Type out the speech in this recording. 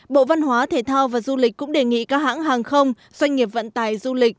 bộ văn hóa thể thao và du lịch cũng đề nghị các hãng hàng không doanh nghiệp vận tải du lịch